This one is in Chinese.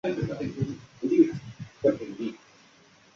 分解似美花介为似美花介科似美花介属下的一个种。